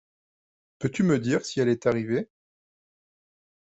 Peux-tu me dire si elle est arrivée?